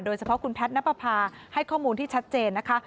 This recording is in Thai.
โดยเฉพาะคุณแพทย์นับประพาให้ข้อมูลที่ชัดเจนนะคะ